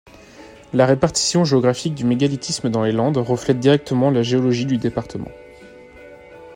La répartition géographique du mégalithisme dans les Landes reflète directement la géologie du département.